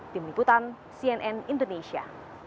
di meniputan cnn indonesia